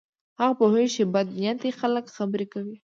هغه پوهیږي چې بد نیتي خلک خبرې کوي.